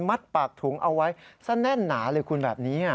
ปากถุงเอาไว้ซะแน่นหนาเลยคุณแบบนี้